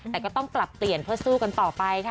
แต่ก็ต้องปรับเปลี่ยนเพื่อสู้กันต่อไปค่ะ